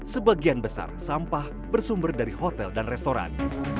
sebagian besar sampah bersumber dari hotel dan restoran